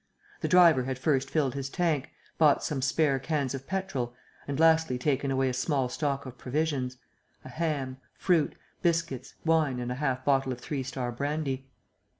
The driver had first filled his tank, bought some spare cans of petrol and lastly taken away a small stock of provisions: a ham, fruit, biscuits, wine and a half bottle of Three Star brandy.